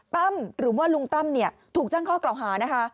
ตั้มหรือว่าลุงตั้มถูกแจ้งข้อกล่าวหานะคะ